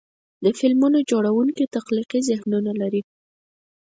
د فلمونو جوړونکي تخلیقي ذهنونه لري.